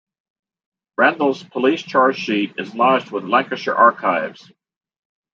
Randle's police charge sheet is lodged with Lancashire Archives.